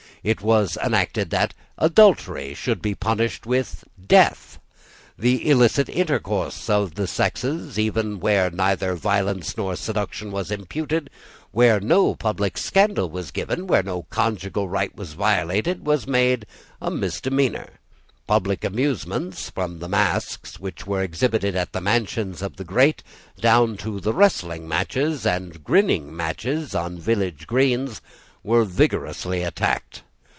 It was enacted that adultery should be punished with death. The illicit intercourse of the sexes, even where neither violence nor seduction was imputed, where no public scandal was given, where no conjugal right was violated, was made a misdemeanour. Public amusements, from the masques which were exhibited at the mansions of the great down to the wrestling matches and grinning matches on village greens, were vigorously attacked.